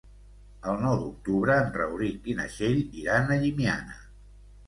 El nou d'octubre en Rauric i na Txell iran a Llimiana.